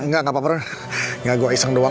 saudara imran ada kemintaan